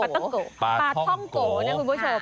ต้องโกะปลาท่องโกะนะคุณผู้ชม